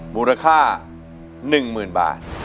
มูลค่า๑๐๐๐บาท